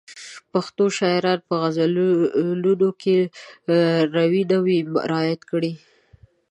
پښتو شاعرانو په غزلونو کې روي نه وي رعایت کړی.